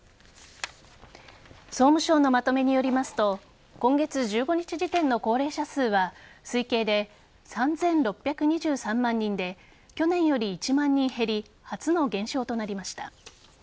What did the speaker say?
総務省のまとめによりますと今月１５日時点の高齢者数は推計で３６２３万人で去年より１万人減り初の減少となりました。